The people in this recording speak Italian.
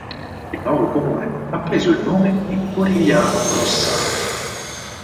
Il nuovo comune ha preso il nome di Corigliano-Rossano.